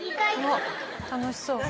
楽しそう。